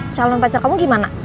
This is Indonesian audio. calon pacar kamu bagaimana